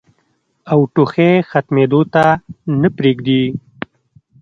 او ټوخی ختمېدو ته نۀ پرېږدي